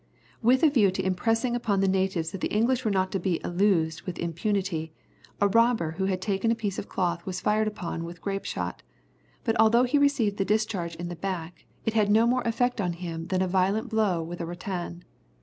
With a view to impressing upon the natives that the English were not to be illused with impunity, a robber who had taken a piece of cloth was fired upon with grape shot, but although he received the discharge in the back, it had no more effect upon him than a violent blow with a rattan.